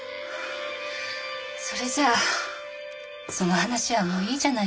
それじゃその話はもういいじゃないですか。